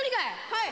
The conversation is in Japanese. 「はい」